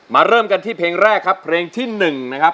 เริ่มกันที่เพลงแรกครับเพลงที่๑นะครับ